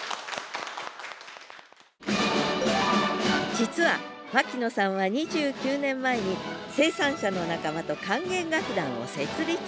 実は牧野さんは２９年前に生産者の仲間と管弦楽団を設立。